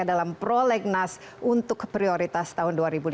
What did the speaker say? dalam prolegnas untuk prioritas tahun dua ribu lima belas